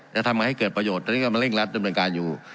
จะทำให้เกิดประโยชน์และเริ่มรัดจำนวนการอยู่